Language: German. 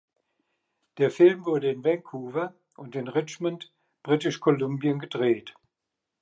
Der Film wurde in Vancouver und in Richmond, Britisch-Kolumbien gedreht.